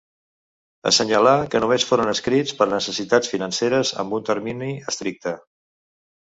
Assenyalà que només foren escrits per necessitats financeres amb un termini estricte.